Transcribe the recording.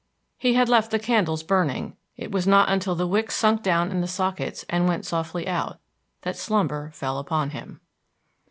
He had left the candles burning; it was not until the wicks sunk down in the sockets and went softly out that slumber fell upon him.